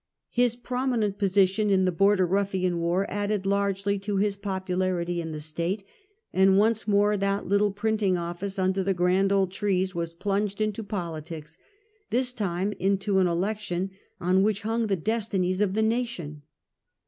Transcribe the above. His prominent position in the Border Ruffian war added largely to his jDopularity in the State, and once more that little printing office under the grand old trees was plunged into politics ; this time into an elec tion on which hung the destinies of the nation.